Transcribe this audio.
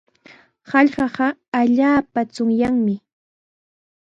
Hallqaqa allaapa chunyaqmi.